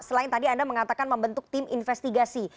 selain tadi anda mengatakan membentuk tim investigasi